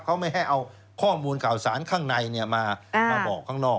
เขาไม่ให้เอาข้อมูลข่าวสารข้างในมาบอกข้างนอก